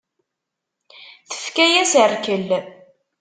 Tefka-yas rrkel.